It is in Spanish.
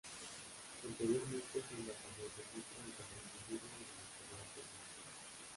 Anteriormente fue embajador de Egipto ante Reino Unido y embajador ante Francia.